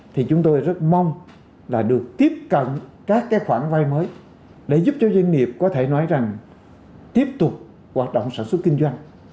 thì chúng tôi rất mong là được tiếp cận các cái khoản vay mới để giúp cho doanh nghiệp có thể nói rằng tiếp tục hoạt động sản xuất kinh doanh